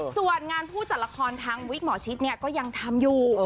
ส่วนงานผู้จัดละครทางวิกหมอชิดก็ยังทำอยู่